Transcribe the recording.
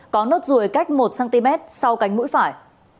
có nốt ruồi cách một cm sau cánh mũi phải